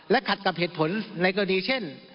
ขัดกับเหตุผลในกรณีเช่น